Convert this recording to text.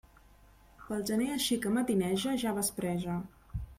Pel gener així que matineja ja vespreja.